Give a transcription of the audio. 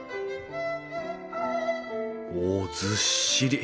おずっしり。